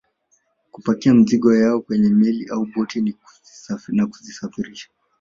Kupakia mizigo yao kwenye meli au boti na kuzisafirisha